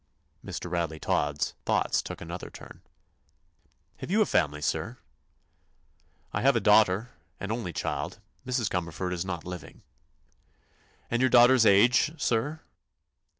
Mr. Radley Todd's thoughts took another turn. "Have you a family, sir?" "I have a daughter, an only child. Mrs. Cumberford is not living." "And your daughter's age, sir?"